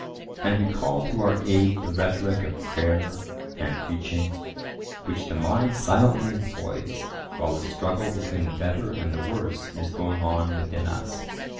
And we call to our aid the rhetoric of prayer and preaching, which the mind silently employs while the struggle between the better and the worse is going on within us.